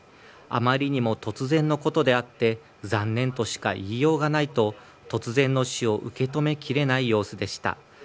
あまりにも突然のことであって残念としか言いようがないと突然の死を受け止めきれない様子でした。